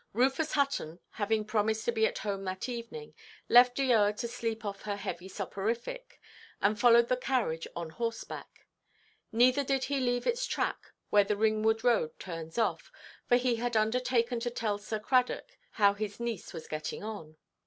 Rufus Hutton, having promised to be at home that evening, left Eoa to sleep off her heavy soporific, and followed the carriage on horseback; neither did he leave its track where the Ringwood Road turns off, for he had undertaken to tell Sir Cradock how his niece was getting on.